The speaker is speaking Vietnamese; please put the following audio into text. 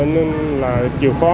nên là dù khó